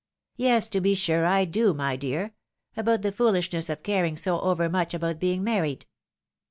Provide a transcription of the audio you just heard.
" Yes, to be sure I do, my dear ; about the foolishness of caring sp overmuch about being married."